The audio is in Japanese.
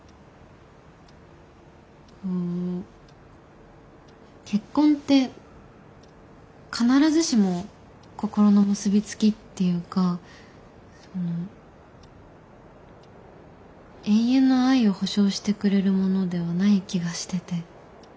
うん結婚って必ずしも心の結び付きっていうか永遠の愛を保証してくれるものではない気がしてて。